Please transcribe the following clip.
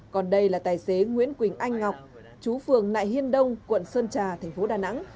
còn đây là tài xế nguyễn quỳnh anh ngọc chú phường nại hiên đông quận sơn trà thành phố đà nẵng